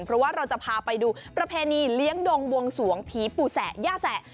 เพราะว่าเราจะพาไปดูประเพณีเลี้ยงดงบวงสวงผีปู่แสะย่าแสะ